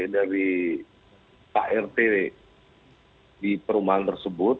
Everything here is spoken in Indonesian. dari art di perumahan tersebut